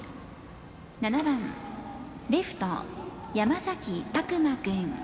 ７番レフト、山崎琢磨君。